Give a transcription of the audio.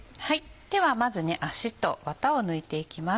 ではまず足とワタを抜いていきます。